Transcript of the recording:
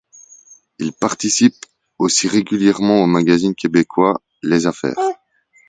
Il participe aussi régulièrement au magazine québécois Les Affaires.